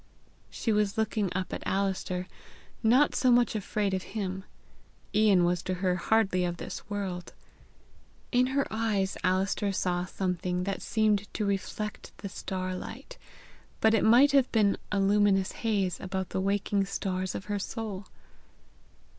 She was looking up at Alister, not so much afraid of him; Ian was to her hardly of this world. In her eyes Alister saw something that seemed to reflect the starlight; but it might have been a luminous haze about the waking stars of her soul!